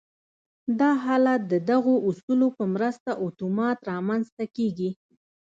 دا حالت د دغو اصولو په مرسته اتومات رامنځته کېږي